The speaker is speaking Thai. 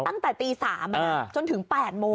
ตั้งแต่ตี๓จนถึง๘โมง